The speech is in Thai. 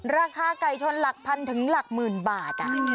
ราคาไก่ชนหลักพันถึงหลักหมื่นบาท